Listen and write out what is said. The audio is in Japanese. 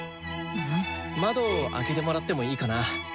窓開けてもらってもいいかな？